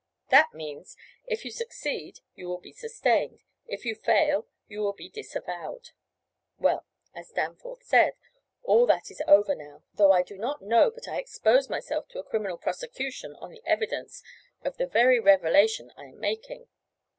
That means, "If you succeed, you will be sustained; if you fail, you will be disavowed." Well, as Danforth says, all that is over now, though I do not know but I expose myself to a criminal prosecution on the evidence of the very revelation I am making.